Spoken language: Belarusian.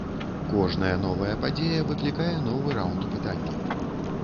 Кожная новая падзея выклікае новы раўнд пытанняў.